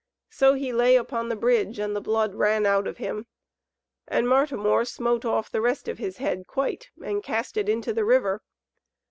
So he lay upon the bridge, and the blood ran out of him. And Martimor smote off the rest of his head quite, and cast it into the river.